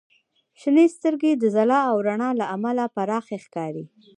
• شنې سترګې د ځلا او رڼا له امله پراخې ښکاري.